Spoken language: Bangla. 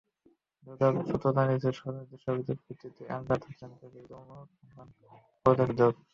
দুদক সূত্র জানিয়েছে, সুনির্দিষ্ট অভিযোগের ভিত্তিতে এমদাদ হোসেনের বিরুদ্ধে অনুসন্ধান করছে দুদক।